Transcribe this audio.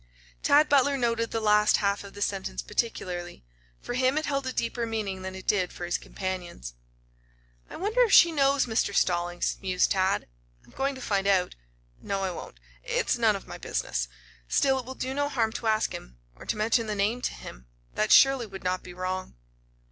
Tad Butler noted the last half of the sentence particularly. For him it held a deeper meaning than it did for his companions. "I wonder if she knows Mr. Stallings," mused Tad. "I'm going to find out. No, I won't. It's none of my business. Still, it will do no harm to ask him, or to mention the name to him. That surely would not be wrong."